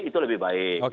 itu lebih baik